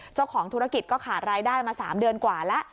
เจ้าของธุรกิจก็ขาดรายได้มา๓เดือนกว่าแล้ว